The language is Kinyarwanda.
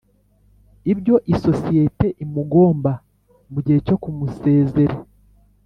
Ibyo isosiyete imugomba mu gihe cyo kumusezere